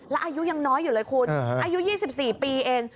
แล้วอายุยังน้อยอยู่เลยคุณอายุยี่สิบสี่ปีเอง